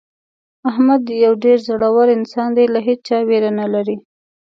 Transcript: احمد یو ډېر زړور انسان دی له هېچا ویره نه لري.